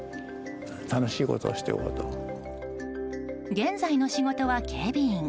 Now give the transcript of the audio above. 現在の仕事は警備員。